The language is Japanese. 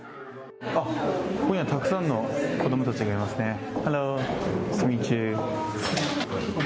ここにはたくさんの子供たちがいますね。